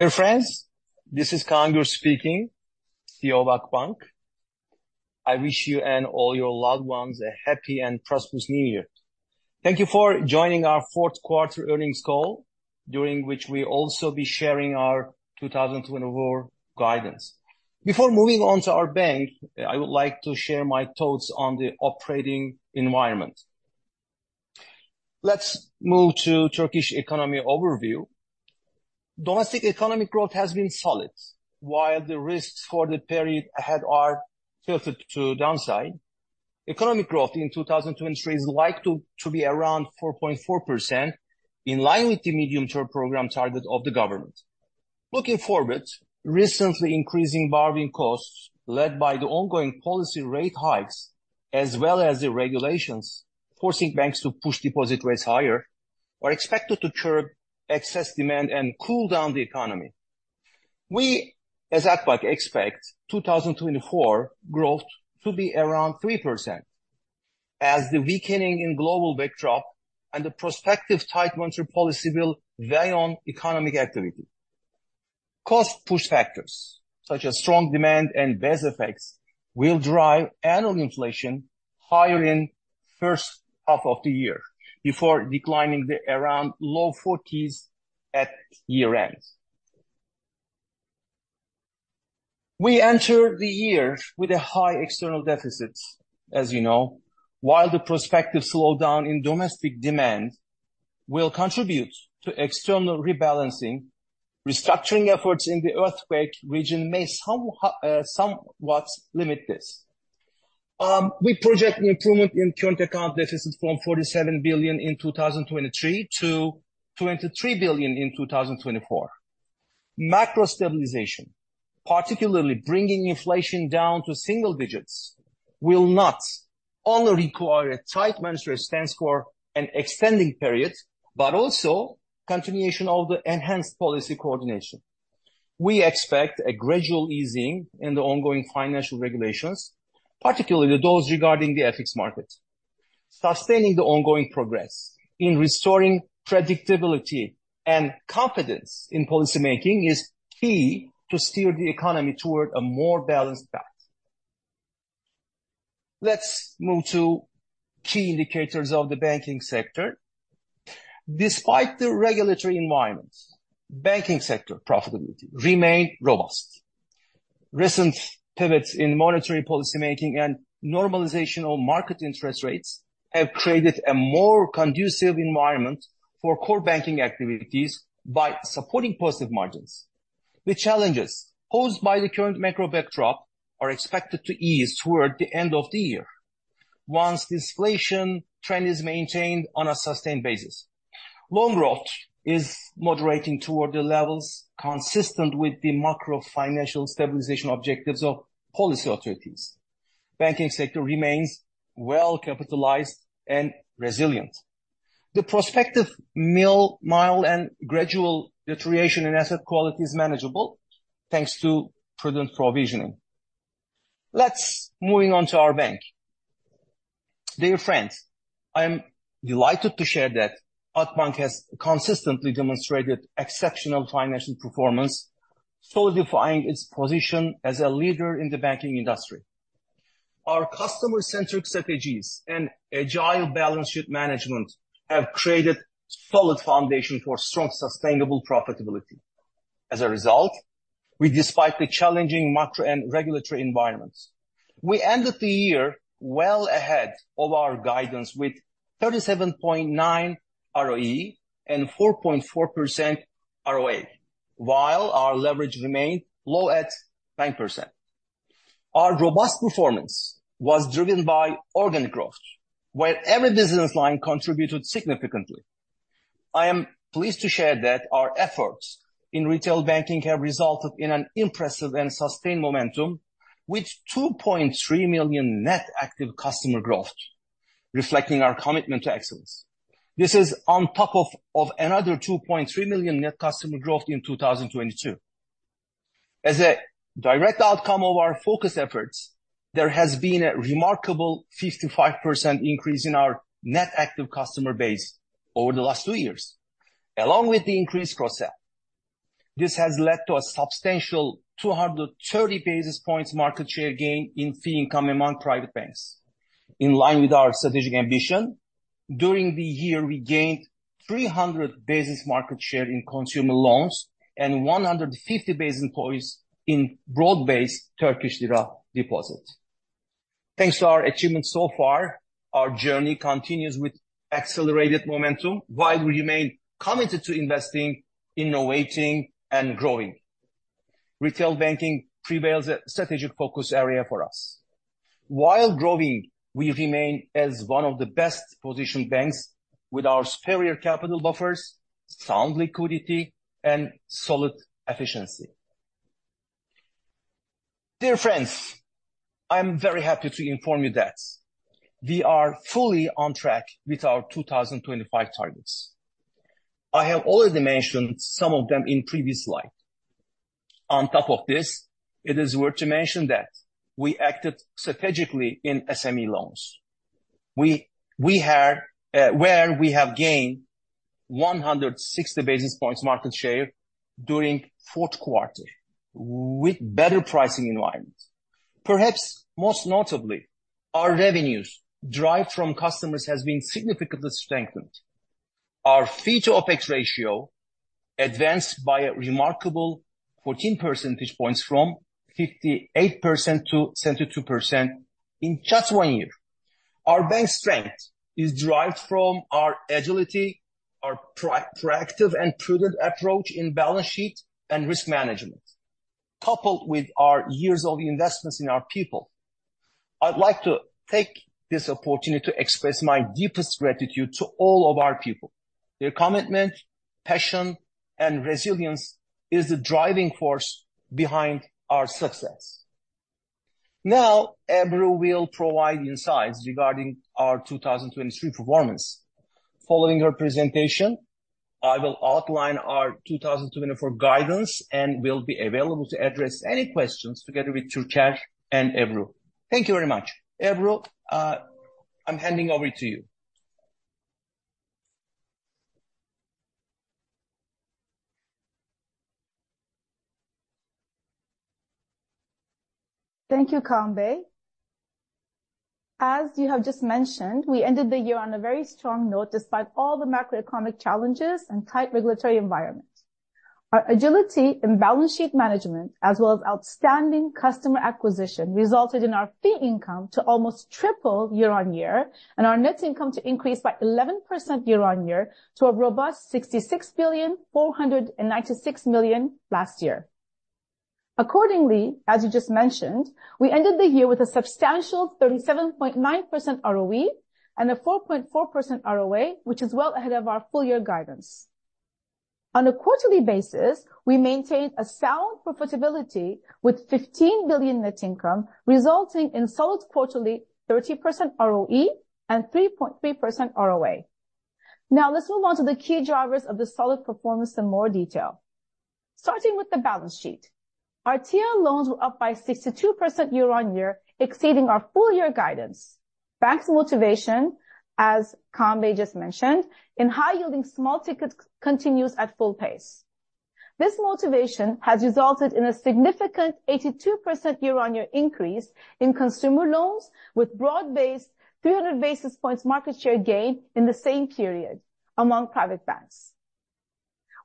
Dear friends, this is Kaan Gür speaking, CEO of Akbank. I wish you and all your loved ones a happy and prosperous new year. Thank you for joining our fourth quarter earnings call, during which we'll also be sharing our 2024 guidance. Before moving on to our bank, I would like to share my thoughts on the operating environment. Let's move to Turkish economy overview. Domestic economic growth has been solid, while the risks for the period ahead are tilted to downside. Economic growth in 2023 is likely to be around 4.4%, in line with the Medium Term Program target of the government. Looking forward, recently increasing borrowing costs led by the ongoing policy rate hikes, as well as the regulations forcing banks to push deposit rates higher, are expected to curb excess demand and cool down the economy. We, as Akbank, expect 2024 growth to be around 3%, as the weakening in global backdrop and the prospective tight monetary policy will weigh on economic activity. Cost-push factors, such as strong demand and base effects, will drive annual inflation higher in first half of the year, before declining to around low 40s at year-end. We enter the year with a high external deficit, as you know. While the prospective slowdown in domestic demand will contribute to external rebalancing, restructuring efforts in the earthquake region may somewhat limit this. We project an improvement in current account deficits from $47 billion in 2023 to $23 billion in 2024. Macro Stabilization, particularly bringing inflation down to single digits, will not only require a tight monetary stance for an extending period, but also continuation of the enhanced policy coordination. We expect a gradual easing in the ongoing financial regulations, particularly those regarding the FX market. Sustaining the ongoing progress in restoring predictability and confidence in policymaking is key to steer the economy toward a more balanced path. Let's move to key indicators of the banking sector. Despite the regulatory environment, banking sector profitability remained robust. Recent pivots in monetary policymaking and normalization of market interest rates have created a more conducive environment for core banking activities by supporting positive margins. The challenges posed by the current macro backdrop are expected to ease toward the end of the year once disinflation trend is maintained on a sustained basis. Loan growth is moderating toward the levels consistent with the macro financial stabilization objectives of policy authorities. Banking sector remains well-capitalized and resilient. The prospective mild and gradual deterioration in asset quality is manageable, thanks to prudent provisioning. Let's move on to our bank. Dear friends, I am delighted to share that Akbank has consistently demonstrated exceptional financial performance, solidifying its position as a leader in the banking industry. Our customer-centric strategies and agile balance sheet management have created solid foundation for strong, sustainable profitability. As a result, despite the challenging macro and regulatory environments, we ended the year well ahead of our guidance, with 37.9 ROE and 4.4% ROA, while our leverage remained low at 9%. Our robust performance was driven by organic growth, where every business line contributed significantly. I am pleased to share that our efforts in retail banking have resulted in an impressive and sustained momentum, with 2.3 million net active customer growth, reflecting our commitment to excellence. This is on top of another 2.3 million net customer growth in 2022. As a direct outcome of our focus efforts, there has been a remarkable 55% increase in our net active customer base over the last 2 years. Along with the increased cross-sell, this has led to a substantial 230 basis points market share gain in fee income among private banks. In line with our strategic ambition, during the year, we gained 300 basis market share in consumer loans and 150 basis points in broad-based Turkish lira deposits. Thanks to our achievements so far, our journey continues with accelerated momentum, while we remain committed to investing, innovating, and growing. Retail banking prevails a strategic focus area for us. While growing, we remain as one of the best-positioned banks with our superior capital buffers, sound liquidity, and solid efficiency. Dear friends, I am very happy to inform you that we are fully on track with our 2025 targets. I have already mentioned some of them in previous slide. On top of this, it is worth to mention that we acted strategically in SME loans. we had where we have gained 160 basis points market share during fourth quarter, with better pricing environment. Perhaps most notably, our revenues derived from customers has been significantly strengthened. Our fee to OpEx ratio advanced by a remarkable 14 percentage points, from 58% to 72% in just one year. Our bank's strength is derived from our agility, our proactive and prudent approach in balance sheet and risk management, coupled with our years of investments in our people. I'd like to take this opportunity to express my deepest gratitude to all of our people. Their commitment, passion, and resilience is the driving force behind our success. Now, Ebru will provide insights regarding our 2023 performance. Following her presentation, I will outline our 2024 guidance, and will be available to address any questions together with Türker and Ebru. Thank you very much. Ebru, I'm handing over to you. Thank you, Kaan Bey. As you have just mentioned, we ended the year on a very strong note, despite all the macroeconomic challenges and tight regulatory environment. Our agility in balance sheet management, as well as outstanding customer acquisition, resulted in our fee income to almost triple year-on-year, and our net income to increase by 11% year-on-year, to a robust 66.496 billion last year. Accordingly, as you just mentioned, we ended the year with a substantial 37.9% ROE and a 4.4% ROA, which is well ahead of our full-year guidance. On a quarterly basis, we maintained a sound profitability with 15 billion net income, resulting in solid quarterly 30% ROE and 3.3% ROA. Now, let's move on to the key drivers of this solid performance in more detail. Starting with the balance sheet. Our TL loans were up by 62% year-on-year, exceeding our full year guidance. Bank's motivation, as Kaan Bey just mentioned, in high-yielding small tickets continues at full pace. This motivation has resulted in a significant 82% year-on-year increase in consumer loans, with broad-based 300 basis points market share gain in the same period among private banks.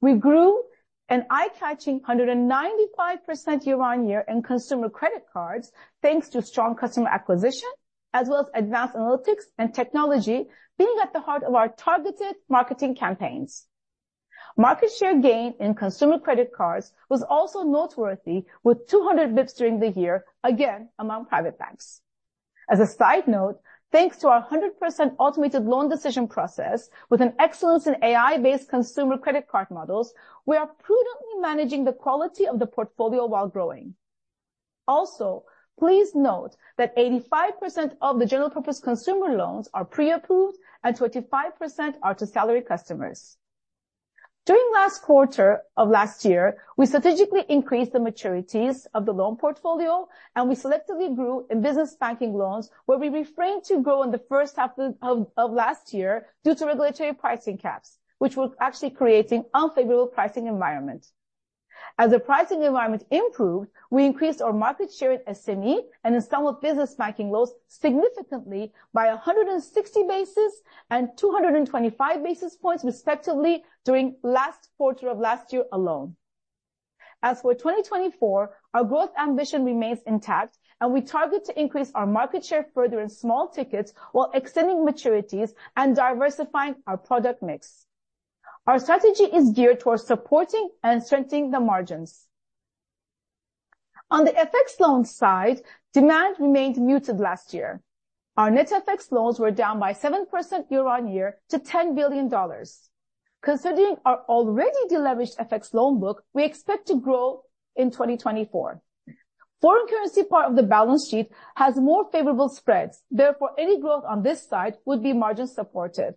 We grew an eye-catching 195% year-on-year in consumer credit cards, thanks to strong customer acquisition, as well as advanced analytics and technology being at the heart of our targeted marketing campaigns. Market share gain in consumer credit cards was also noteworthy, with 200 basis points during the year, again, among private banks. As a side note, thanks to our 100% automated loan decision process, with an excellence in AI-based consumer credit card models, we are prudently managing the quality of the portfolio while growing. Also, please note that 85% of the general purpose consumer loans are pre-approved and 25% are to salary customers. During last quarter of last year, we strategically increased the maturities of the loan portfolio, and we selectively grew in business banking loans, where we refrained to grow in the first half of last year due to regulatory pricing caps, which were actually creating unfavorable pricing environment. As the pricing environment improved, we increased our market share in SME and installment business banking loans significantly by 160 basis points and 225 basis points, respectively, during last quarter of last year alone. As for 2024, our growth ambition remains intact, and we target to increase our market share further in small tickets while extending maturities and diversifying our product mix. Our strategy is geared towards supporting and strengthening the margins. On the FX loan side, demand remained muted last year. Our net FX loans were down by 7% year-on-year to $10 billion. Considering our already de-leveraged FX loan book, we expect to grow in 2024. Foreign currency part of the balance sheet has more favorable spreads, therefore, any growth on this side would be margin supportive.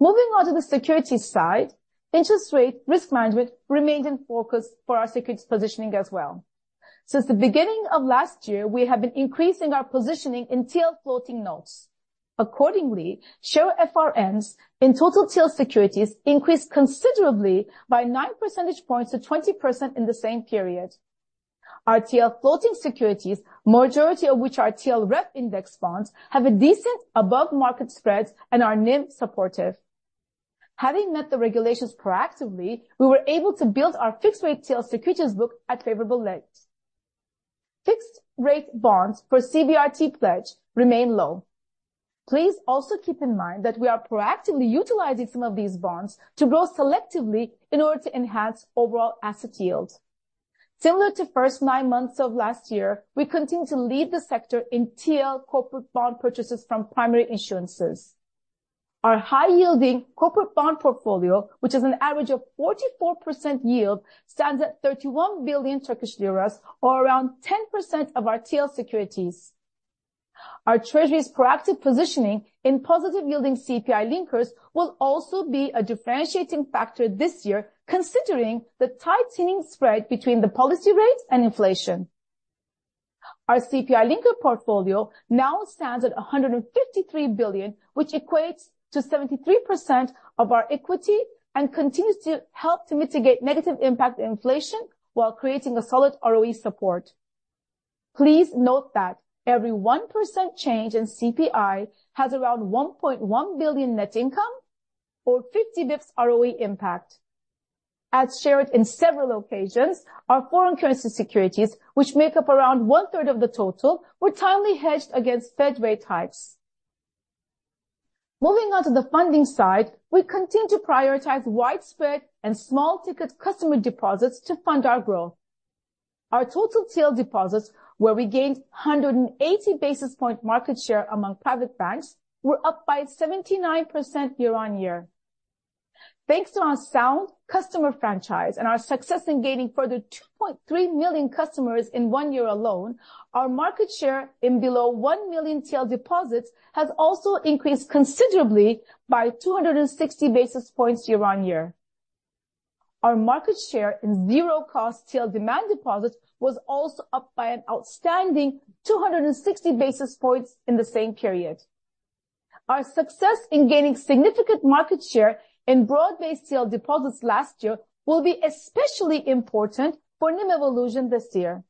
Moving on to the securities side, interest rate risk management remains in focus for our securities positioning as well. Since the beginning of last year, we have been increasing our positioning in TL floating notes. Accordingly, share FRNs in total TL securities increased considerably by 9 percentage points to 20% in the same period. Our TL floating securities, majority of which are TLREF-index bonds, have a decent above-market spreads and are NIM-Supportive. Having met the regulations proactively, we were able to build our fixed-rate TL securities book at favorable lengths. Fixed-rate bonds for CBRT pledge remain low. Please also keep in mind that we are proactively utilizing some of these bonds to grow selectively in order to enhance overall asset yield. Similar to first nine months of last year, we continue to lead the sector in TL corporate bond purchases from primary issuances. Our high-yielding corporate bond portfolio, which is an average of 44% yield, stands at 31 billion Turkish lira or around 10% of our TL securities. Our treasury's proactive positioning in positive-yielding CPI linkers will also be a differentiating factor this year, considering the tightening spread between the policy rates and inflation.... Our CPI-linked portfolio now stands at 153 billion, which equates to 73% of our equity, and continues to help to mitigate negative impact of inflation while creating a solid ROE support. Please note that every 1% change in CPI has around 1.1 billion net income or 50 basis points ROE impact. As shared in several occasions, our foreign currency securities, which make up around one-third of the total, were timely hedged against Fed rate hikes. Moving on to the funding side, we continue to prioritize widespread and small ticket customer deposits to fund our growth. Our total TL deposits, where we gained 180 basis point market share among private banks, were up by 79% year-on-year. Thanks to our sound customer franchise and our success in gaining further 2.3 million customers in one year alone, our market share in below 1 million TL deposits has also increased considerably by 260 basis points year-on-year. Our market share in zero-cost TL demand deposits was also up by an outstanding 260 basis points in the same period. Our success in gaining significant market share in broad-based TL deposits last year will be especially important for NIM evolution this year.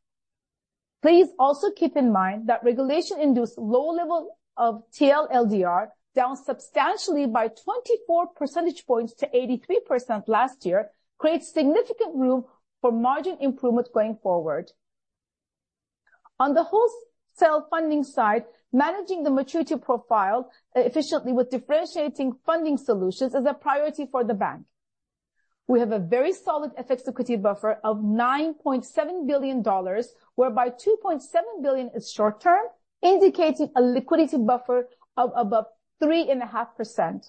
Please also keep in mind that regulation-induced low level of TL LDR, down substantially by 24 percentage points to 83% last year, creates significant room for margin improvement going forward. On the wholesale funding side, managing the maturity profile efficiently with differentiating funding solutions is a priority for the bank. We have a very solid FX liquidity buffer of $9.7 billion, whereby $2.7 billion is short term, indicating a liquidity buffer of above 3.5%.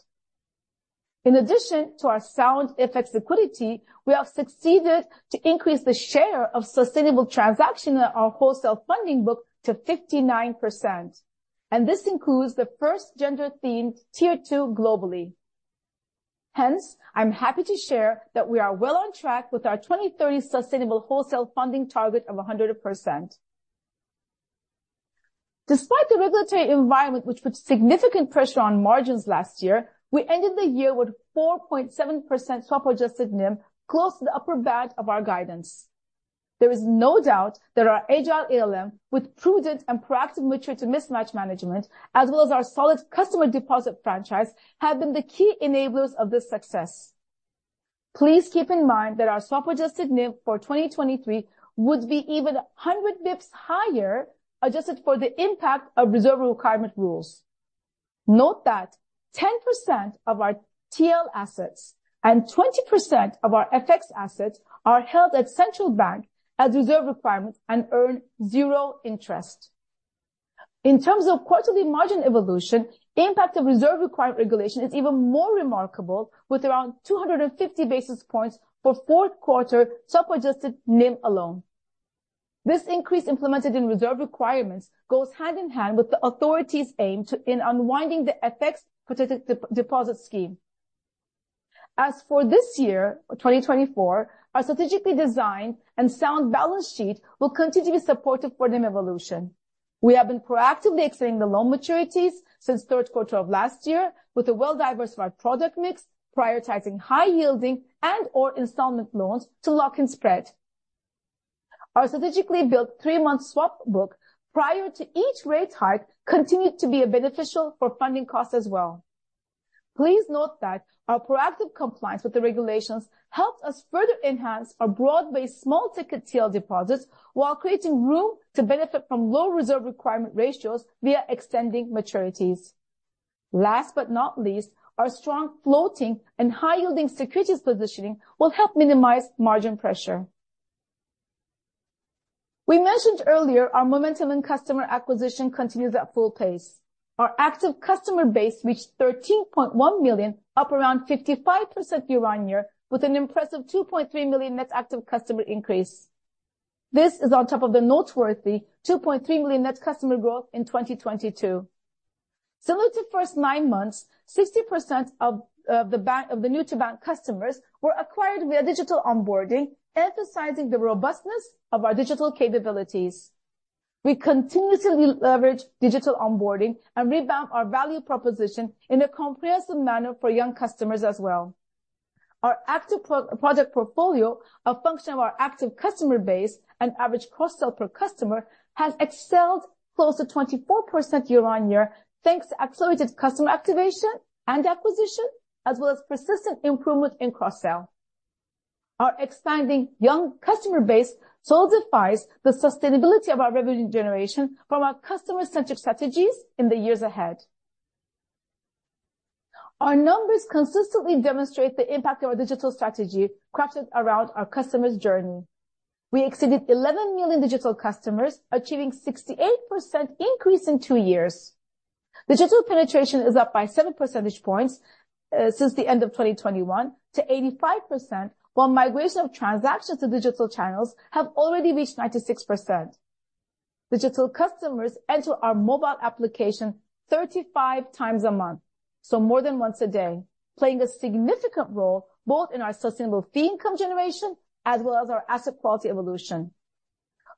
In addition to our sound FX liquidity, we have succeeded to increase the share of sustainable transaction in our wholesale funding book to 59%, and this includes the first gender-themed Tier 2 globally. Hence, I'm happy to share that we are well on track with our 2030 sustainable wholesale funding target of 100%. Despite the regulatory environment, which put significant pressure on margins last year, we ended the year with 4.7% swap-adjusted NIM, close to the upper band of our guidance. There is no doubt that our agile ALM, with prudent and proactive maturity mismatch management, as well as our solid customer deposit franchise, have been the key enablers of this success. Please keep in mind that our swap-adjusted NIM for 2023 would be even 100 basis points higher, adjusted for the impact of reserve requirement rules. Note that 10% of our TL assets and 20% of our FX assets are held at Central Bank as reserve requirements and earn zero interest. In terms of quarterly margin evolution, the impact of reserve requirement regulation is even more remarkable, with around 250 basis points for fourth quarter swap-adjusted NIM alone. This increase implemented in reserve requirements goes hand in hand with the authority's aim to in unwinding the FX-protected deposit scheme. As for this year, 2024, our strategically designed and sound balance sheet will continue to be supportive for NIM evolution. We have been proactively extending the loan maturities since third quarter of last year with a well-diversified product mix, prioritizing high-yielding and/or installment loans to lock in spread. Our strategically built three-month swap book prior to each rate hike continued to be beneficial for funding costs as well. Please note that our proactive compliance with the regulations helped us further enhance our broad-based, small-ticket TL deposits while creating room to benefit from low reserve requirement ratios via extending maturities. Last but not least, our strong floating and high-yielding securities positioning will help minimize margin pressure. We mentioned earlier our momentum in customer acquisition continues at full pace. Our active customer base reached 13.1 million, up around 55% year-on-year, with an impressive 2.3 million net active customer increase. This is on top of the noteworthy 2.3 million net customer growth in 2022. Similar to first nine months, 60% of the bank's new-to-bank customers were acquired via digital onboarding, emphasizing the robustness of our digital capabilities. We continuously leverage digital onboarding and revamp our value proposition in a comprehensive manner for young customers as well. Our active product portfolio, a function of our active customer base and average cross-sell per customer, has excelled close to 24% year-on-year, thanks to accelerated customer activation and acquisition, as well as persistent improvement in cross-sell. Our expanding young customer base solidifies the sustainability of our revenue generation from our customer-centric strategies in the years ahead. Our numbers consistently demonstrate the impact of our digital strategy crafted around our customer's journey. We exceeded 11 million digital customers, achieving 68% increase in two years. Digital penetration is up by 7 percentage points since the end of 2021 to 85%, while migration of transactions to digital channels have already reached 96%. Digital customers enter our mobile application 35 a month, so more than once a day, playing a significant role both in our sustainable fee income generation as well as our asset quality evolution.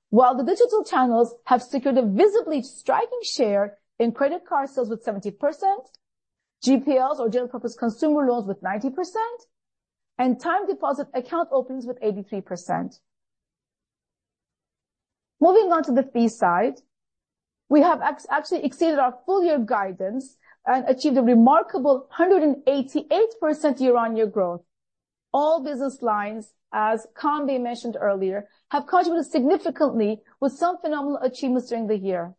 While the digital channels have secured a visibly striking share in credit card sales with 70%, GPLs or general purpose consumer loans with 90%, and time deposit account opens with 83%. Moving on to the fee side, we have actually exceeded our full year guidance and achieved a remarkable 188% year-on-year growth. All business lines, as Kaan Bey mentioned earlier, have contributed significantly with some phenomenal achievements during the year.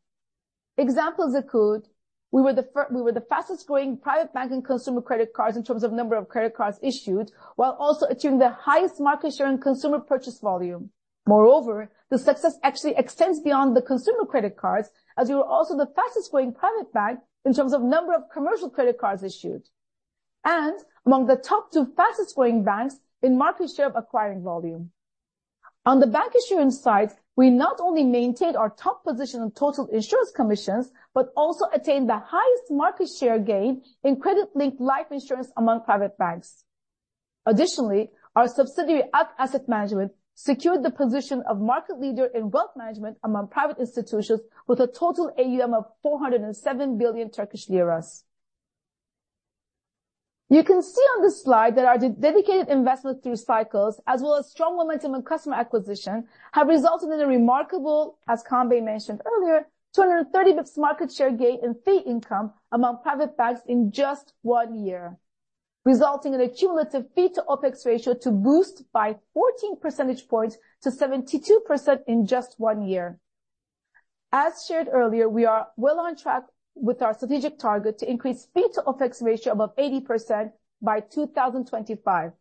Examples include: we were the fastest growing private bank and consumer credit cards in terms of number of credit cards issued, while also achieving the highest market share and consumer purchase volume. Moreover, the success actually extends beyond the consumer credit cards, as we were also the fastest growing private bank in terms of number of commercial credit cards issued, and among the top two fastest growing banks in market share of acquiring volume. On the bancassurance side, we not only maintained our top position in total insurance commissions, but also attained the highest market share gain in credit-linked life insurance among private banks. Additionally, our subsidiary, Ak Asset Management, secured the position of market leader in wealth management among private institutions, with a total AUM of 407 billion Turkish lira. You can see on this slide that our dedicated investment through cycles, as well as strong momentum in customer acquisition, have resulted in a remarkable, as Kaan Bey mentioned earlier, 230 basis points market share gain in fee income among private banks in just one year, resulting in a cumulative fee-to-OpEx ratio to boost by 14 percentage points to 72% in just one year. As shared earlier, we are well on track with our strategic target to increase fee-to-OpEx ratio above 80% by 2025.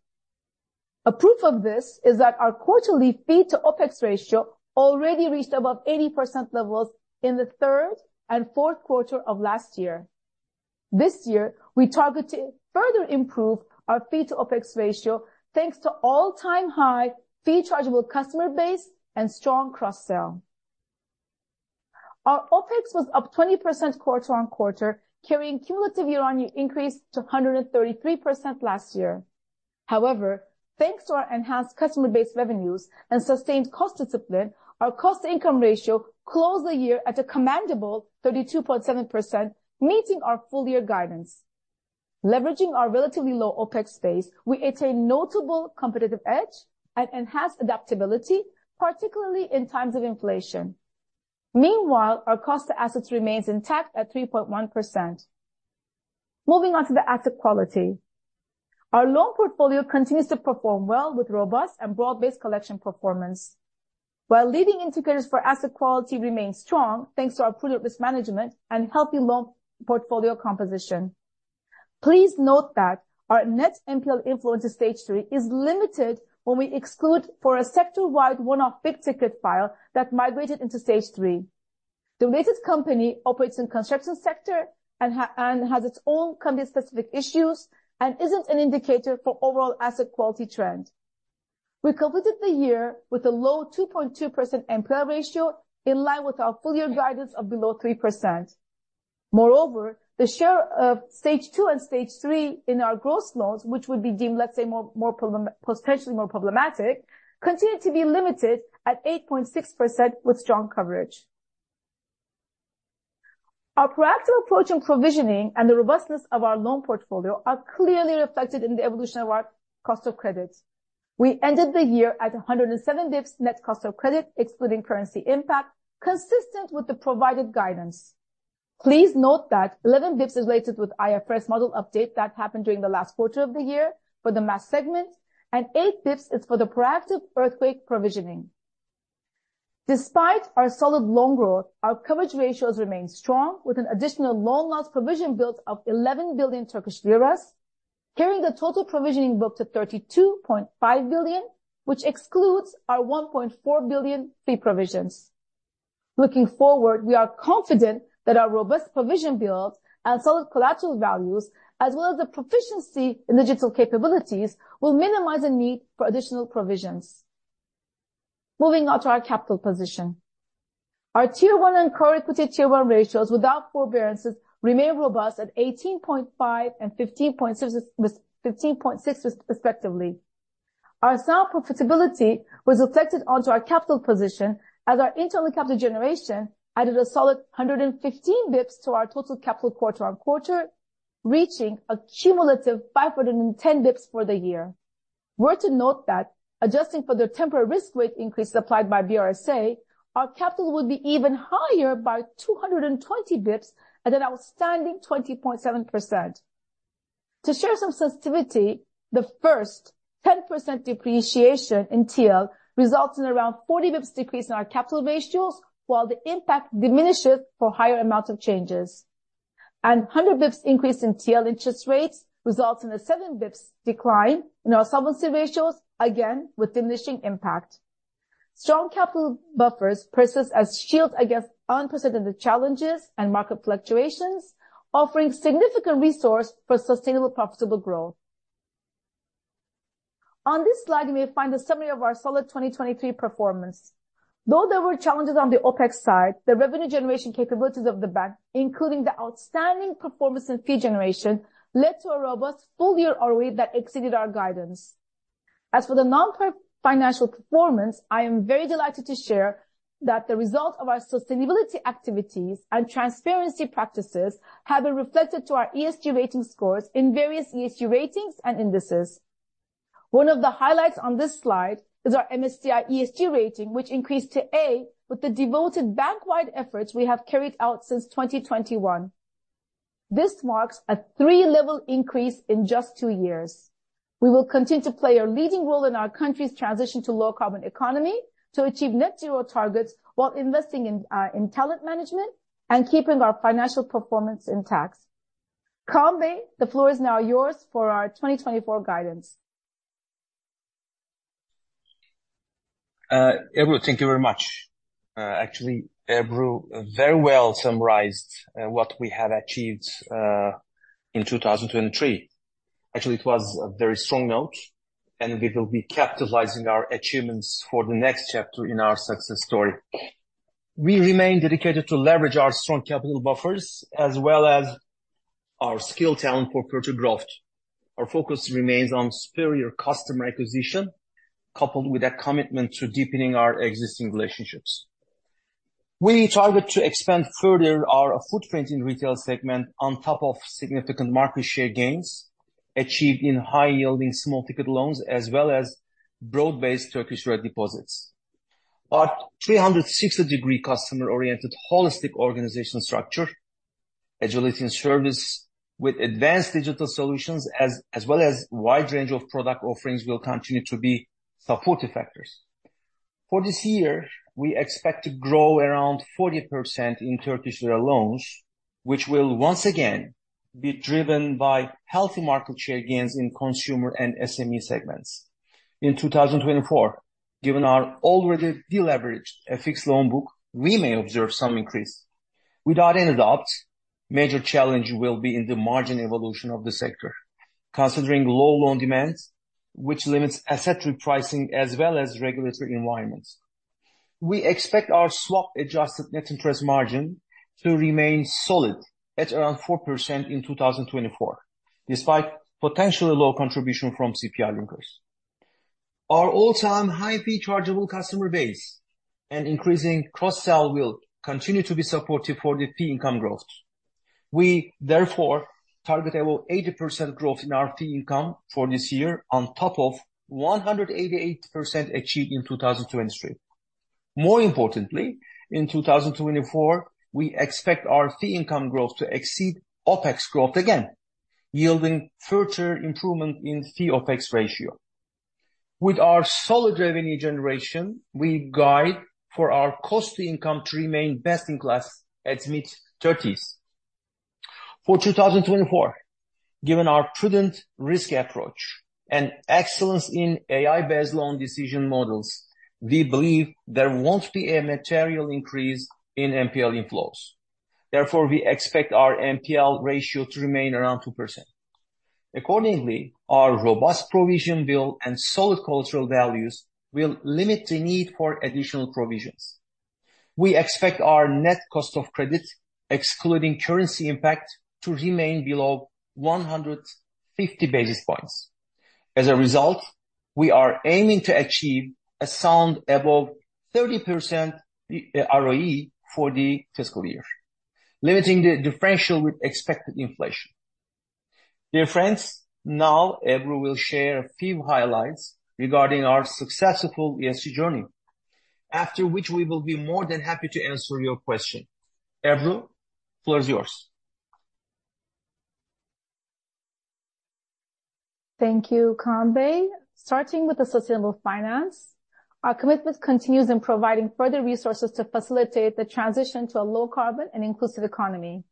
A proof of this is that our quarterly fee-to-OpEx ratio already reached above 80% levels in the third and fourth quarter of last year. This year, we target to further improve our fee-to-OpEx ratio, thanks to all-time high fee chargeable customer base and strong cross-sell. Our OpEx was up 20% quarter-on-quarter, carrying cumulative year-on-year increase to 133% last year. However, thanks to our enhanced customer base revenues and sustained cost discipline, our cost-to-income ratio closed the year at a commendable 32.7%, meeting our full year guidance. Leveraging our relatively low OpEx base, we attain notable competitive edge and enhanced adaptability, particularly in times of inflation. Meanwhile, our cost to assets remains intact at 3.1%. Moving on to the asset quality. Our loan portfolio continues to perform well with robust and broad-based collection performance, while leading indicators for asset quality remain strong, thanks to our prudent risk management and healthy loan portfolio composition. Please note that our net NPL influence in stage three is limited when we exclude for a sector-wide one-off big-ticket file that migrated into stage three. The latest company operates in construction sector and has its own company-specific issues and isn't an indicator for overall asset quality trend. We completed the year with a low 2.2% NPL ratio, in line with our full year guidance of below 3%. Moreover, the share of Stage 2 and Stage 3 in our gross loans, which would be deemed, let's say, potentially more problematic, continued to be limited at 8.6% with strong coverage. Our proactive approach in provisioning and the robustness of our loan portfolio are clearly reflected in the evolution of our cost of credit. We ended the year at 107 BPS net cost of credit, excluding currency impact, consistent with the provided guidance. Please note that 11 BPS is related with IFRS model update that happened during the last quarter of the year for the mass segment, and 8 BPS is for the proactive earthquake provisioning. Despite our solid loan growth, our coverage ratios remain strong, with an additional loan loss provision built of 11 billion Turkish lira, carrying the total provisioning book to 32.5 billion, which excludes our 1.4 billion fee provisions. Looking forward, we are confident that our robust provision builds and solid collateral values, as well as the proficiency in digital capabilities, will minimize the need for additional provisions. Moving on to our capital position. Our Tier 1 and core equity Tier 1 ratios without forbearances remain robust at 18.5 and 15.6, with 15.6, respectively. Our sound profitability was reflected onto our capital position as our internal capital generation added a solid 115 basis points to our total capital quarter-on-quarter, reaching a cumulative 510 basis points for the year. We're to note that adjusting for the temporary risk weight increase applied by BRSA, our capital would be even higher by 220 BPS at an outstanding 20.7%. To share some sensitivity, the first 10% depreciation in TL results in around 40 BPS decrease in our capital ratios, while the impact diminishes for higher amounts of changes. 100 BPS increase in TL interest rates results in a 7 BPS decline in our solvency ratios, again, with diminishing impact. Strong capital buffers persist as shield against unprecedented challenges and market fluctuations, offering significant resource for sustainable, profitable growth. On this slide, we find a summary of our solid 2023 performance. Though there were challenges on the OpEx side, the revenue generation capabilities of the bank, including the outstanding performance and fee generation, led to a robust full year ROE that exceeded our guidance. As for the non-financial performance, I am very delighted to share that the result of our sustainability activities and transparency practices have been reflected to our ESG rating scores in various ESG ratings and indices. One of the highlights on this slide is our MSCI ESG rating, which increased to A with the devoted bank-wide efforts we have carried out since 2021. This marks a three-level increase in just two years. We will continue to play a leading role in our country's transition to low carbon economy to achieve net zero targets, while investing in, in talent management and keeping our financial performance intact. Kaan Bey, the floor is now yours for our 2024 guidance. Ebru, thank you very much. Actually, Ebru very well summarized what we have achieved in 2023. Actually, it was a very strong note, and we will be capitalizing our achievements for the next chapter in our success story. We remain dedicated to leverage our strong capital buffers as well as our skill talent for further growth. Our focus remains on superior customer acquisition, coupled with a commitment to deepening our existing relationships. We target to expand further our footprint in retail segment on top of significant market share gains achieved in high-yielding small ticket loans, as well as broad-based Turkish lira deposits. Our 360-degree customer-oriented holistic organizational structure, agility and service with advanced digital solutions, as well as wide range of product offerings, will continue to be supportive factors. For this year, we expect to grow around 40% in Turkish lira loans, which will once again be driven by healthy market share gains in consumer and SME segments. In 2024, given our already deleveraged a fixed loan book, we may observe some increase. Without any doubt, major challenge will be in the margin evolution of the sector, considering low loan demands, which limits asset pricing as well as regulatory environments. We expect our swap-adjusted net interest margin to remain solid at around 4% in 2024, despite potentially low contribution from CPI linkers. Our all-time high fee chargeable customer base and increasing cross-sell will continue to be supportive for the fee income growth. We therefore target about 80% growth in our fee income for this year, on top of 188% achieved in 2023. More importantly, in 2024, we expect our fee income growth to exceed OpEx growth again, yielding further improvement in fee OpEx ratio. With our solid revenue generation, we guide for our cost to income to remain best in class at mid-30s. For 2024, given our prudent risk approach and excellence in AI-based loan decision models, we believe there won't be a material increase in NPL inflows. Therefore, we expect our NPL ratio to remain around 2%. Accordingly, our robust provision built and solid collateral values will limit the need for additional provisions. We expect our net cost of credit, excluding currency impact, to remain below 150 basis points. As a result, we are aiming to achieve a sound above 30%, ROE for the fiscal year, limiting the differential with expected inflation. Dear friends, now Ebru will share a few highlights regarding our successful ESG journey, after which we will be more than happy to answer your question. Ebru, floor is yours. Thank you, Kaan Bey. Starting with the sustainable finance, our commitment continues in providing further resources to facilitate the transition to a low carbon and inclusive economy.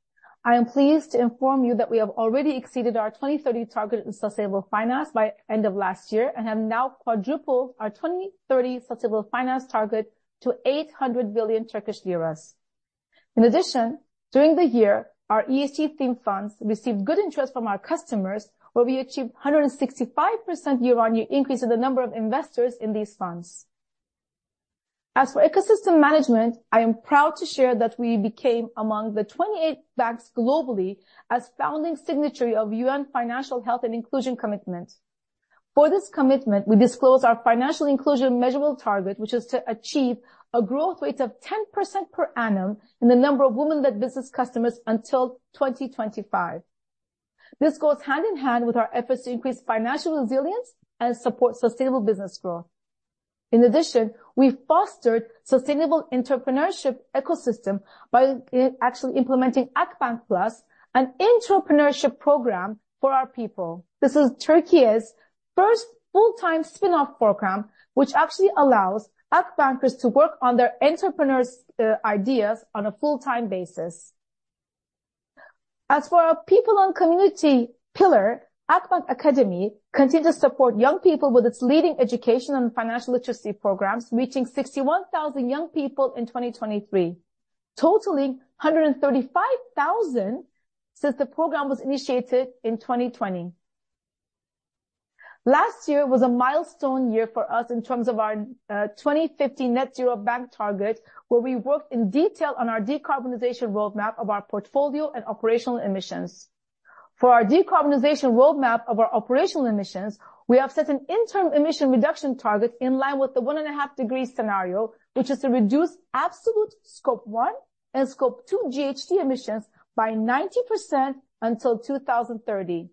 I am pleased to inform you that we have already exceeded our 2030 target in sustainable finance by end of last year, and have now quadrupled our 2030 sustainable finance target to 800 billion Turkish lira. In addition, during the year, our ESG theme funds received good interest from our customers, where we achieved 165% year-on-year increase in the number of investors in these funds. As for ecosystem management, I am proud to share that we became among the 28 banks globally as founding signatory of UN Financial Health and Inclusion Commitment. For this commitment, we disclose our financial inclusion measurable target, which is to achieve a growth rate of 10% per annum in the number of women-led business customers until 2025. This goes hand in hand with our efforts to increase financial resilience and support sustainable business growth. In addition, we fostered sustainable entrepreneurship ecosystem by actually implementing Akbank Plus, an entrepreneurship program for our people. This is Türkiye's first full-time spin-off program, which actually allows Akbankers to work on their entrepreneurs' ideas on a full-time basis. As for our people and community pillar, Akbank Academy continues to support young people with its leading education and financial literacy programs, reaching 61,000 young people in 2023, totaling 135,000 since the program was initiated in 2020. Last year was a milestone year for us in terms of our 2050 net zero bank target, where we worked in detail on our decarbonization roadmap of our portfolio and operational emissions. For our decarbonization roadmap of our operational emissions, we have set an interim emission reduction target in line with the 1.5 degree scenario, which is to reduce absolute Scope 1 and Scope 2 GHG emissions by 90% until 2030.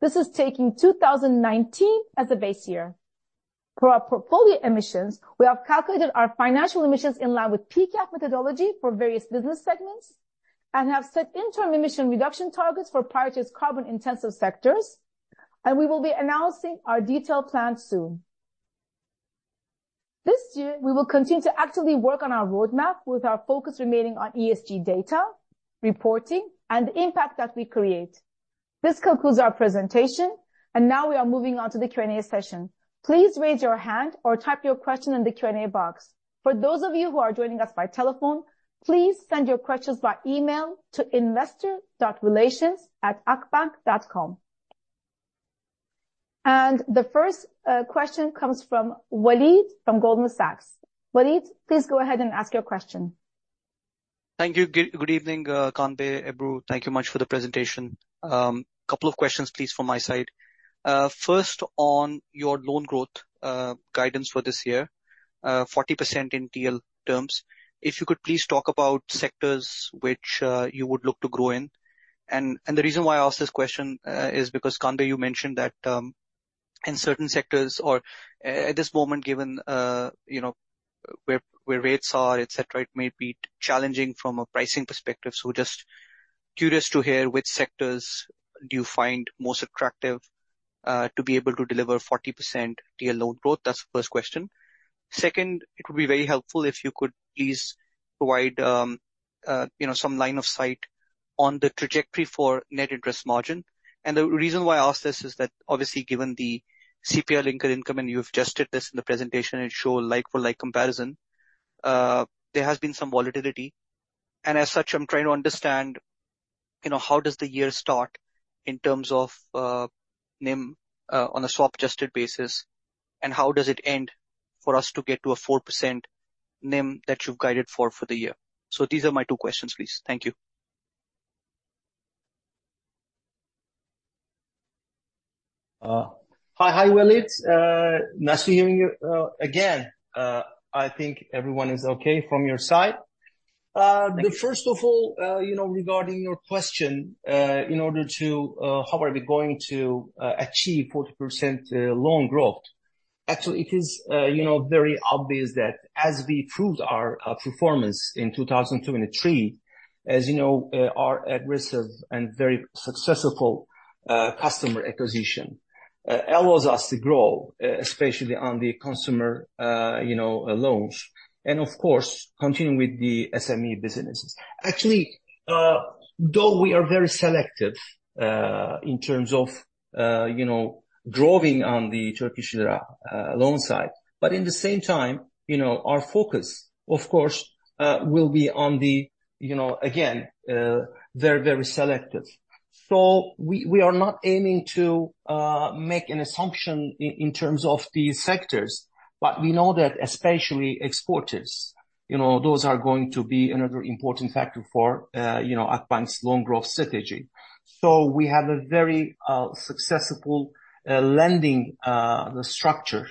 This is taking 2019 as a base year. For our portfolio emissions, we have calculated our financial emissions in line with PCAF methodology for various business segments, and have set interim emission reduction targets for priority carbon-intensive sectors, and we will be announcing our detailed plan soon. This year, we will continue to actively work on our roadmap with our focus remaining on ESG data, reporting, and the impact that we create. This concludes our presentation, and now we are moving on to the Q&A session. Please raise your hand or type your question in the Q&A box. For those of you who are joining us by telephone, please send your questions by email to investor.relations@akbank.com. The first question comes from Waleed from Goldman Sachs. Waleed, please go ahead and ask your question. Thank you. Good evening, Kaan Bey, Ebru. Thank you much for the presentation. Couple of questions, please, from my side. First, on your loan growth guidance for this year, 40% in TL terms. If you could please talk about sectors which you would look to grow in. And the reason why I ask this question is because, Kaan Bey, you mentioned that in certain sectors or at this moment, given you know where rates are, et cetera, it may be challenging from a pricing perspective. So just curious to hear which sectors do you find most attractive to be able to deliver 40% TL loan growth? That's the first question. Second, it would be very helpful if you could please provide you know some line of sight on the trajectory for net interest margin. The reason why I ask this is that, obviously, given the CPI-linked income, and you've just did this in the presentation, and it show a like for like comparison, there has been some volatility. And as such, I'm trying to understand, you know, how does the year start in terms of, NIM, on a swap-adjusted basis, and how does it end for us to get to a 4% NIM that you've guided for, for the year? So these are my two questions, please. Thank you. Hi, Waleed. Nice to hearing you again. I think everyone is okay from your side. Thank you. The first of all, you know, regarding your question, in order to... How are we going to achieve 40% loan growth? Actually, it is, you know, very obvious that as we proved our performance in 2002 and 2003, as you know, our aggressive and very successful customer acquisition allows us to grow, especially on the consumer, you know, loans, and of course, continuing with the SME businesses. Actually, though we are very selective in terms of, you know, growing on the Turkish lira loan side, but in the same time, you know, our focus, of course, will be on the, you know, again, very, very selective. So we are not aiming to make an assumption in terms of these sectors, but we know that especially exporters, you know, those are going to be another important factor for, you know, Akbank's loan growth strategy. So we have a very successful lending structure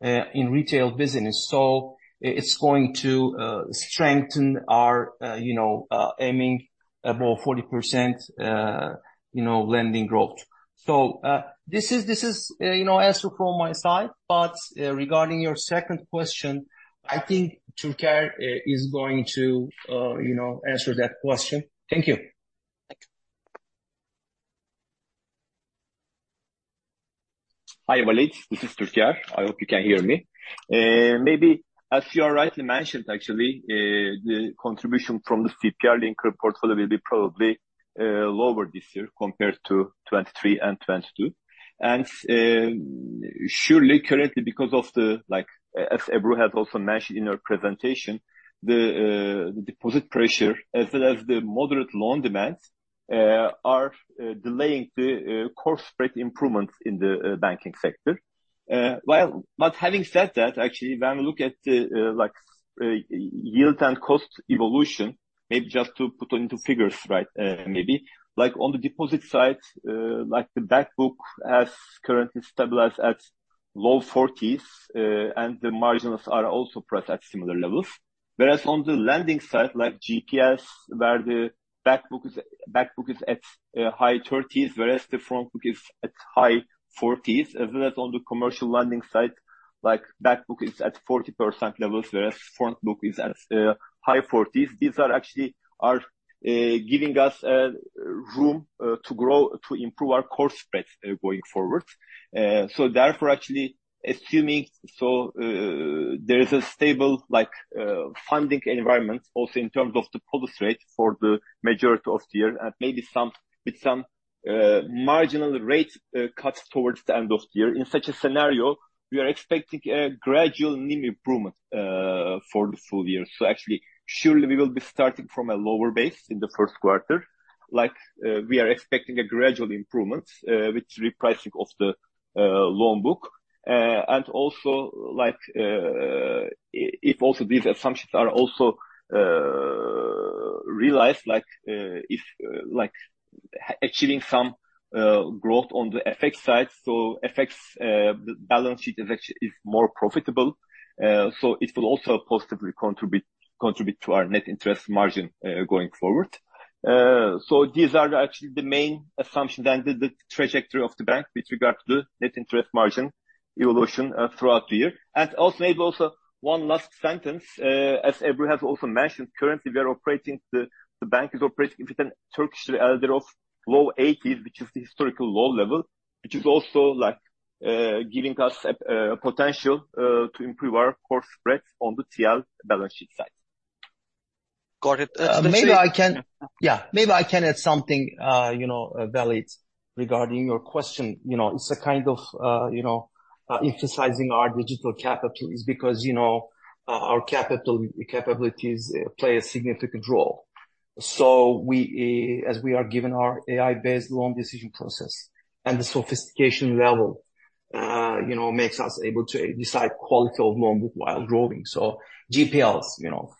in retail business. So it's going to strengthen our, you know, aiming about 40%, you know, lending growth. So this is, this is, you know, answer from my side. But regarding your second question, I think Türker is going to, you know, answer that question. Thank you. Thank you. Hi, Waleed, this is Türker. I hope you can hear me. Maybe as you are rightly mentioned, actually, the contribution from the CPI link portfolio will be probably lower this year compared to 2023 and 2022. Surely, currently, because of the like, as Ebru has also mentioned in her presentation, the deposit pressure as well as the moderate loan demands are delaying the course spread improvements in the banking sector. Well, but having said that, actually, when we look at the like, yield and cost evolution, maybe just to put into figures, right, maybe, like on the deposit side, like the back book has currently stabilized at low forties, and the margins are also priced at similar levels. Whereas on the lending side, like GPL, where the back book is, back book is at high 30s%, whereas the front book is at high 40s%, as well as on the commercial lending side, like, back book is at 40% levels, whereas front book is at high 40s%. These are actually giving us room to grow, to improve our core spreads going forward. So therefore, actually assuming so, there is a stable, like, funding environment also in terms of the policy rate for the majority of the year, and maybe some- with some marginal rate cuts towards the end of the year. In such a scenario, we are expecting a gradual NIM improvement for the full year. So actually, surely we will be starting from a lower base in the first quarter. Like, we are expecting a gradual improvement with repricing of the loan book. And also like, if also these assumptions are also realized, like, if like achieving some growth on the FX side. So FX balance sheet is actually more profitable, so it will also positively contribute to our net interest margin going forward. So these are actually the main assumptions and the trajectory of the bank with regard to the net interest margin evolution throughout the year. Also maybe one last sentence, as Ebru has also mentioned, currently the bank is operating with an LDR of low 80s, which is the historical low level, which is also like giving us a potential to improve our core spread on the TL balance sheet side. Got it. Maybe I can. Yeah, maybe I can add something, you know, valid regarding your question. You know, it's a kind of, you know, emphasizing our digital capabilities because, you know, our capital capabilities play a significant role. So we, as we are giving our AI-based loan decision process and the sophistication level, you know, makes us able to decide quality of loan book while growing. So GPLs, you know,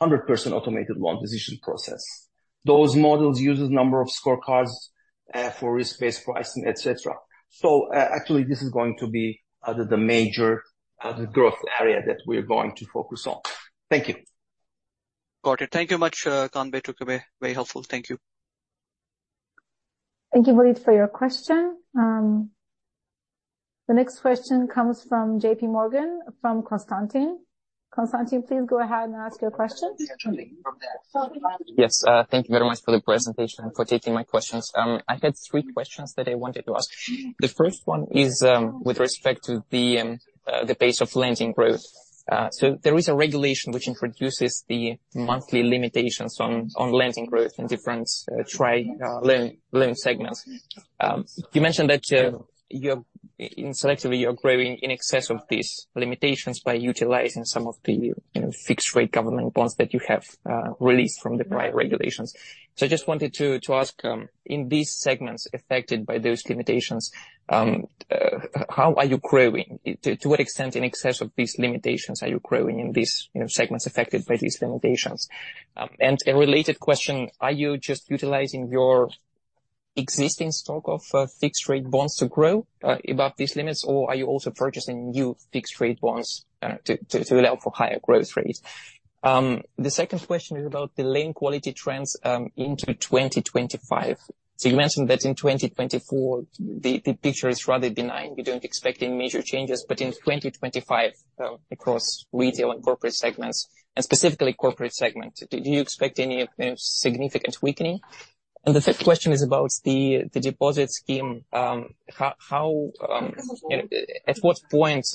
100% automated loan decision process. Those models uses number of scorecards, for risk-based pricing, et cetera. So actually, this is going to be, the major, growth area that we're going to focus on. Thank you. Got it. Thank you much, Kaan Bey, Türker Bey. Very helpful. Thank you. Thank you, Waleed, for your question. The next question comes from JP Morgan, from Konstantin, please go ahead and ask your question. Yes, thank you very much for the presentation and for taking my questions. I had three questions that I wanted to ask. The first one is, with respect to the pace of lending growth. So there is a regulation which introduces the monthly limitations on lending growth in different TRY loan segments. You mentioned that you're selectively growing in excess of these limitations by utilizing some of the, you know, fixed-rate government bonds that you have released from the prior regulations. So I just wanted to ask, in these segments affected by those limitations, how are you growing? To what extent in excess of these limitations are you growing in these, you know, segments affected by these limitations? And a related question, are you just utilizing your existing stock of fixed-rate bonds to grow above these limits, or are you also purchasing new fixed-rate bonds to allow for higher growth rates? The second question is about the loan quality trends into 2025. So you mentioned that in 2024, the picture is rather benign. You don't expect any major changes, but in 2025, across retail and corporate segments, and specifically corporate segment, do you expect any significant weakening? And the third question is about the deposit scheme. How and at what point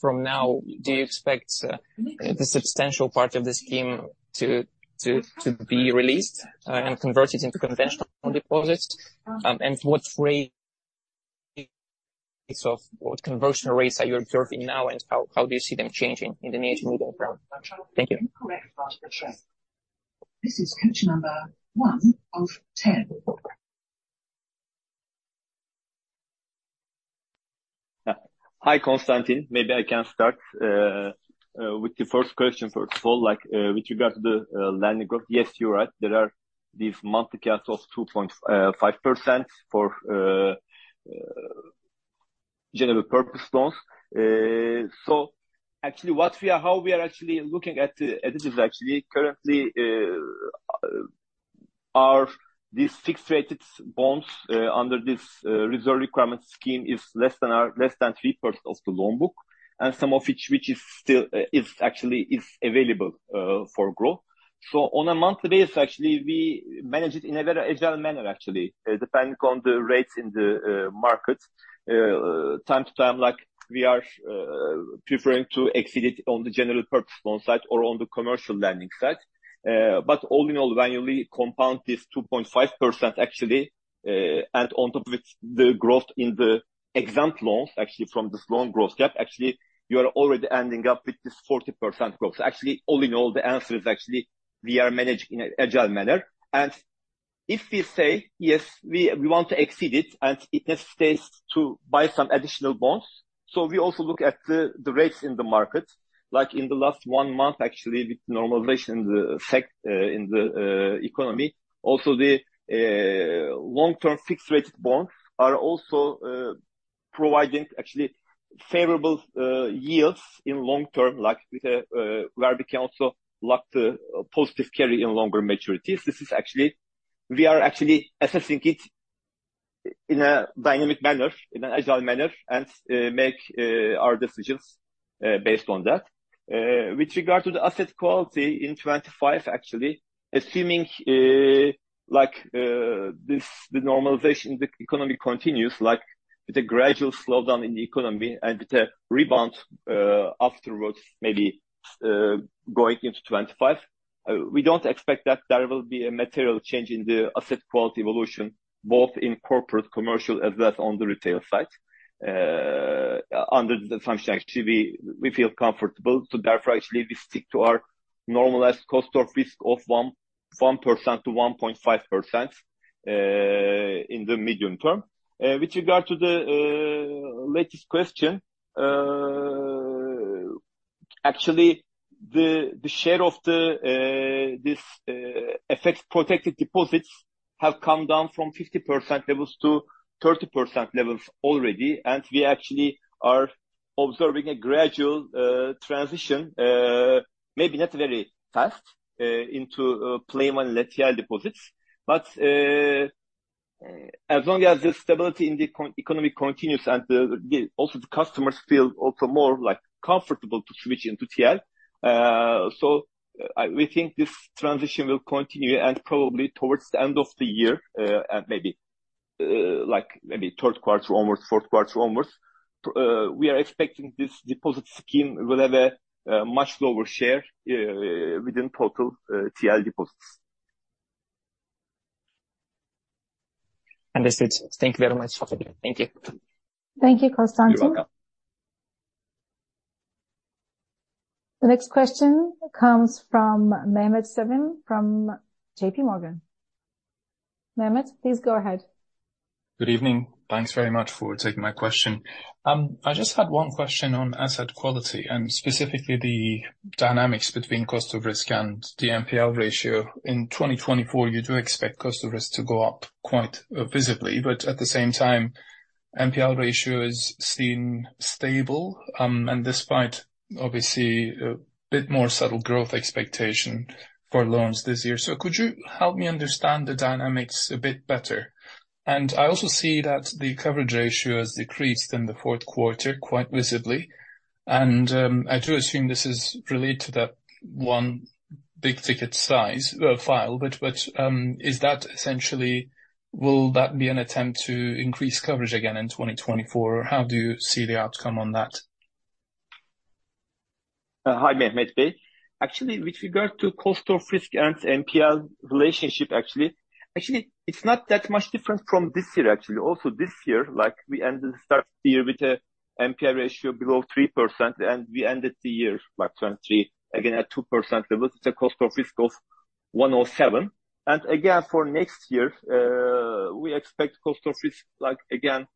from now do you expect the substantial part of the scheme to be released and converted into conventional deposits? What conversion rates are you observing now, and how do you see them changing in the near to medium term? Thank you. Hi, Konstantin. Maybe I can start with the first question first of all, like, with regard to the lending growth. Yes, you're right, there are these monthly caps of 2.5% for general purpose loans. So actually, how we are actually looking at this is actually currently, these fixed-rate bonds under this reserve requirement scheme is less than 3% of the loan book, and some of which which is still is actually available for growth. So on a monthly basis, actually, we manage it in a very agile manner, actually, depending on the rates in the market. Time to time, like, we are preferring to exceed it on the general purpose loan side or on the commercial lending side. But all in all, when you compound this 2.5% actually, and on top of which, the growth in the exempt loans, actually, from this loan growth gap, actually, you are already ending up with this 40% growth. Actually, all in all, the answer is actually we are managing in an agile manner. And if we say, "Yes, we, we want to exceed it," and it necessitates to buy some additional bonds, so we also look at the rates in the market, like in the last one month, actually, with normalization in the economy. Also, the long-term fixed-rate bonds are also providing actually favorable yields in long term, like with a where we can also lock the positive carry in longer maturities. We are actually assessing it in a dynamic manner, in an agile manner, and make our decisions based on that. With regard to the asset quality in 2025, actually, assuming like this, the normalization in the economy continues, like with a gradual slowdown in the economy and with a rebound afterwards, maybe going into 2025, we don't expect that there will be a material change in the asset quality evolution, both in corporate, commercial, as well as on the retail side. Under the assumption, actually, we feel comfortable. So therefore, actually, we stick to our normalized cost of risk of 1%-1.5% in the medium term. With regard to the latest question, actually, the share of the FX-protected deposits have come down from 50% levels to 30% levels already, and we actually are observing a gradual transition, maybe not very fast, into TL-denominated deposits. But as long as the stability in the economy continues and the customers feel also more, like, comfortable to switch into TL. So we think this transition will continue and probably towards the end of the year, and maybe, like, maybe third quarter onwards, fourth quarter onwards, we are expecting this deposit scheme will have a much lower share within total TL deposits. Understood. Thank you very much for talking. Thank you. Thank you, Konstantin. You're welcome. The next question comes from Mehmet Sevim, from JP Morgan. Mehmet, please go ahead. Good evening. Thanks very much for taking my question. I just had one question on asset quality, and specifically the dynamics between cost of risk and the NPL ratio. In 2024, you do expect cost of risk to go up quite visibly, but at the same time, NPL ratio is seen stable, and despite obviously a bit more subtle growth expectation for loans this year. So could you help me understand the dynamics a bit better? And I also see that the coverage ratio has decreased in the fourth quarter, quite visibly. I do assume this is related to that one big ticket size file, but is that essentially. Will that be an attempt to increase coverage again in 2024, or how do you see the outcome on that? Hi, Mehmet. Actually, with regard to cost of risk and NPL relationship, actually, actually, it's not that much different from this year, actually. Also this year, like, we ended start the year with a NPL ratio below 3%, and we ended the year, like, 2023, again, at 2%. It was a cost of risk of 1.07. And again, for next year, we expect cost of risk, like, again,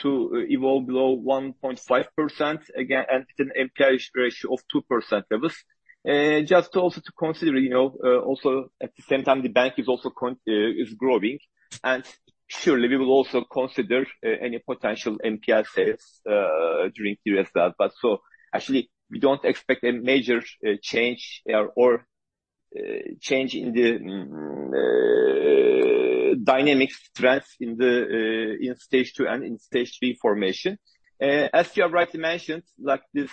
to evolve below 1.5%, again, and with an NPL ratio of 2% levels. Just also to consider, you know, also, at the same time, the bank is also con- is growing, and surely we will also consider any potential NPL sales during the year as well. Actually, we don't expect a major change in the dynamic trends in stage two and stage three formation. As you have rightly mentioned, like this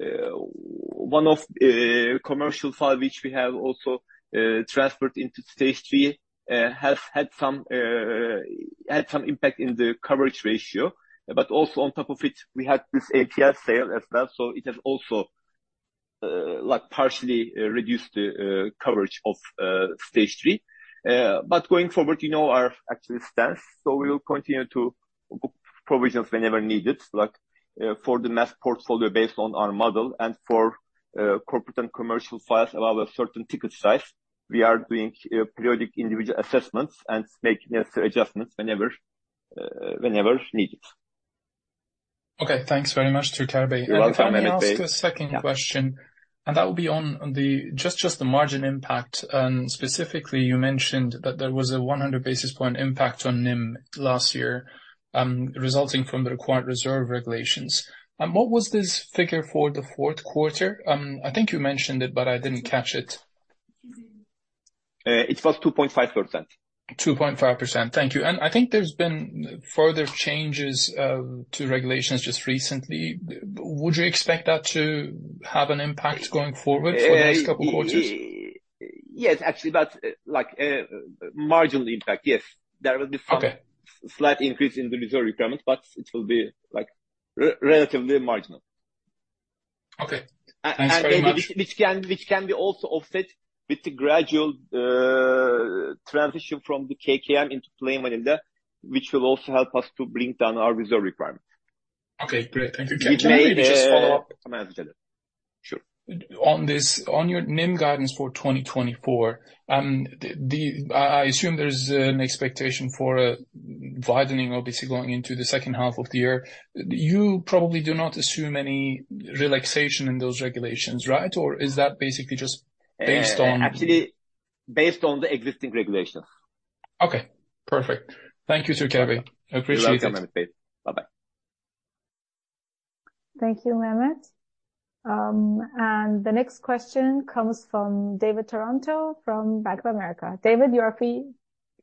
one of commercial file, which we have also transferred into stage three, has had some impact in the coverage ratio. But also on top of it, we had this APS sale as well, so it has also like partially reduced the coverage of stage three. But going forward, you know, our actual stance, so we will continue to book provisions whenever needed, like for the mass portfolio based on our model and for corporate and commercial files above a certain ticket size. We are doing periodic individual assessments and making necessary adjustments whenever needed. Okay, thanks very much, Türker Bey. You're welcome, Mehmet Bey. If I may ask a second question- Yeah. Just the margin impact. Specifically, you mentioned that there was a 100 basis point impact on NIM last year, resulting from the required reserve regulations. What was this figure for the fourth quarter? I think you mentioned it, but I didn't catch it. It was 2.5%. 2.5%. Thank you. I think there's been further changes to regulations just recently. Would you expect that to have an impact going forward for the next couple of quarters? Yes, actually, but like marginal impact, yes. There will be- Okay slight increase in the reserve requirements, but it will be, like, relatively marginal. Okay. Thanks very much. Which can, which can be also offset with the gradual, transition from the KKM into plain money, which will also help us to bring down our reserve requirement. Okay, great. Thank you. You may just follow up. Sure. On this, on your NIM guidance for 2024, I assume there's an expectation for a widening, obviously, going into the second half of the year. You probably do not assume any relaxation in those regulations, right? Or is that basically just based on- Actually, based on the existing regulations. Okay, perfect. Thank you, Türker Bey. I appreciate it. You're welcome, Mehmet Bey. Bye-bye. Thank you, Mehmet. The next question comes from David Taranto, from Bank of America. David, you're free.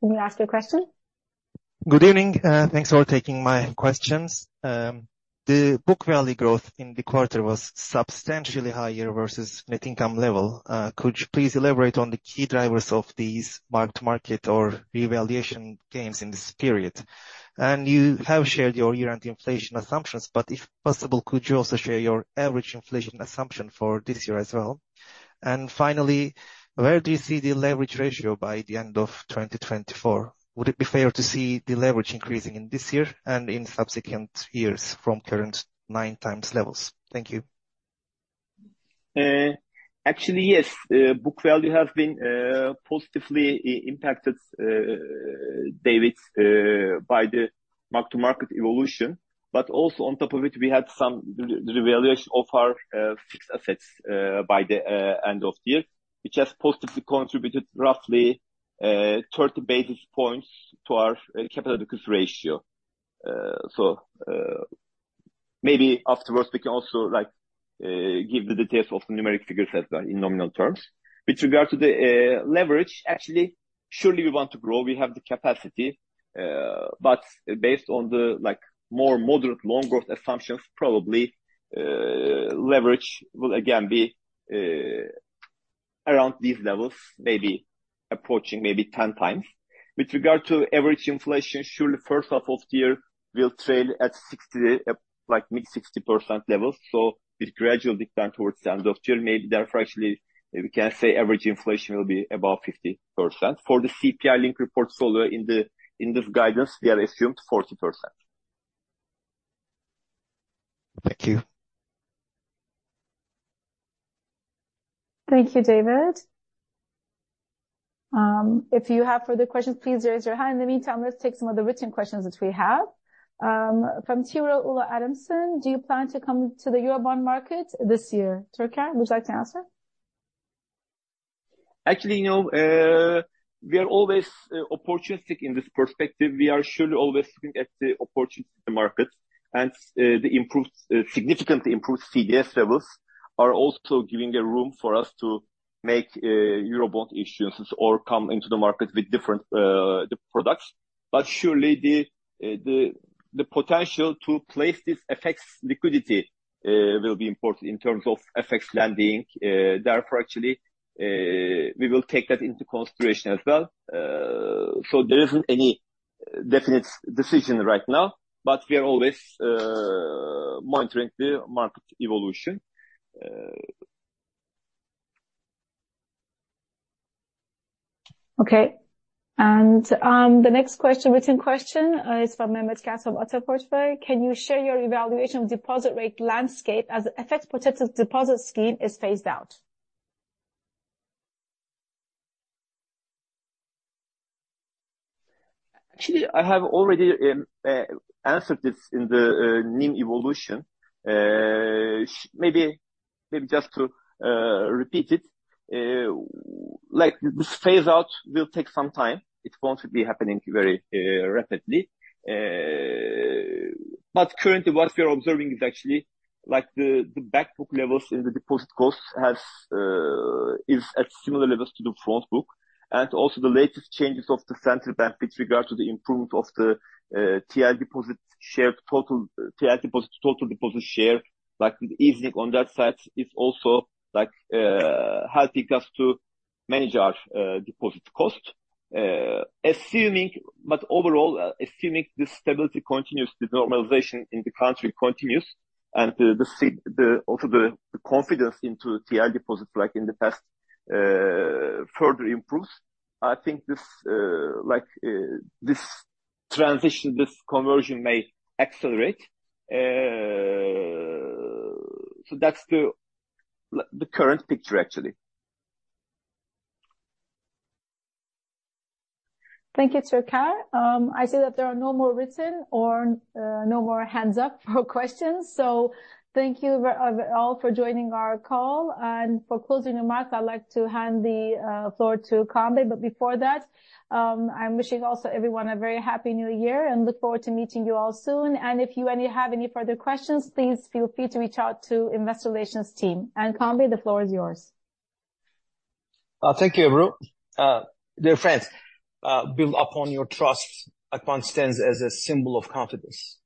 Can you ask your question? Good evening. Thanks for taking my questions. The book value growth in the quarter was substantially higher versus net income level. Could you please elaborate on the key drivers of these marked market or revaluation gains in this period? And you have shared your year-end inflation assumptions, but if possible, could you also share your average inflation assumption for this year as well? And finally, where do you see the leverage ratio by the end of 2024? Would it be fair to see the leverage increasing in this year and in subsequent years from current 9x levels? Thank you. Actually, yes, book value has been positively impacted, David, by the mark-to-market evolution. But also on top of it, we had some revaluation of our fixed assets by the end of the year, which has positively contributed roughly 30 basis points to our capital adequacy ratio. So maybe afterwards, we can also like give the details of the numeric figures as well in nominal terms. With regard to the leverage, actually, surely we want to grow. We have the capacity, but based on the like more moderate loan growth assumptions, probably leverage will again be around these levels, maybe approaching 10x. With regard to average inflation, surely first half of the year will trail at 60, like mid-60% levels, so with gradual decline towards the end of June, maybe therefore, actually, we can say average inflation will be above 50%. For the CPI linker portfolio in this guidance, we are assuming 40%. Thank you. Thank you, David. If you have further questions, please raise your hand. In the meantime, let's take some of the written questions which we have. From Tiolu Adamson: Do you plan to come to the Eurobond market this year? Türker, would you like to answer? Actually, you know, we are always opportunistic in this perspective. We are surely always looking at the opportunity in the market, and the improved, significantly improved CDS levels are also giving a room for us to make Eurobond issuances or come into the market with different products. But surely the potential to place this affects liquidity will be important in terms of FX lending. Therefore, actually, we will take that into consideration as well. So there isn't any definite decision right now, but we are always monitoring the market evolution. Okay. And, the next question, written question, is from Mehmet Gerz from Ata Portföy: Can you share your evaluation of deposit rate landscape as the FX-protected deposit scheme is phased out? Actually, I have already answered this in the NIM evolution. Maybe, maybe just to repeat it, like, this phase out will take some time. It won't be happening very rapidly. But currently, what we are observing is actually like the, the back book levels in the deposit costs is at similar levels to the front book, and also the latest changes of the central bank with regard to the improvement of the time deposit share total—time deposit, total deposit share. Like, the easing on that side is also, like, helping us to manage our deposit cost. Assuming... But overall, assuming this stability continues, the normalization in the country continues, and the sentiment, also the confidence in the TL deposits, like in the past, further improves, I think this, like, this transition, this conversion may accelerate. So that's the current picture, actually. Thank you, Türker. I see that there are no more written or no more hands up for questions. So thank you all for joining our call, and for closing remarks, I'd like to hand the floor to Kaan Bey. But before that, I'm wishing also everyone a very happy New Year and look forward to meeting you all soon. And if you have any further questions, please feel free to reach out to Investor Relations team. And Kaan Bey, the floor is yours. Thank you, Ebru. Dear friends, build Akbank your trust, Akbank stands as a symbol of confidence.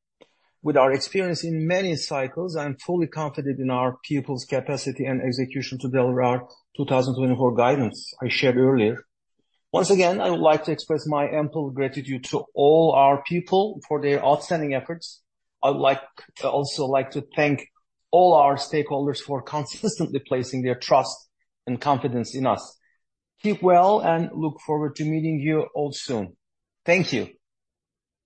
With our experience in many cycles, I'm fully confident in our people's capacity and execution to deliver our 2024 guidance I shared earlier. Once again, I would like to express my ample gratitude to all our people for their outstanding efforts. I would like, also like to thank all our stakeholders for consistently placing their trust and confidence in us. Keep well, and look forward to meeting you all soon. Thank you.